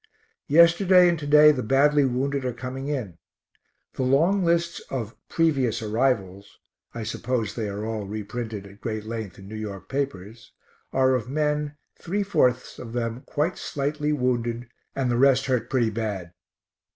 Yesterday and to day the badly wounded are coming in. The long lists of previous arrivals, (I suppose they are all reprinted at great length in N. Y. papers) are of men three fourths of them quite slightly wounded, and the rest hurt pretty bad.